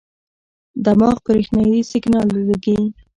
دماغ برېښنايي سیګنال لېږي.